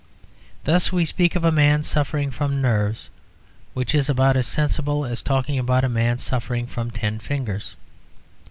Thus we speak of a man suffering from "nerves," which is about as sensible as talking about a man suffering from ten fingers.